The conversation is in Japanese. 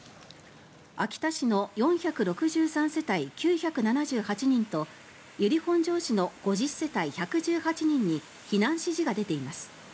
秋田市の４６３世帯９７８人と由利本荘市の５０世帯１１８人に避難指示が出ています。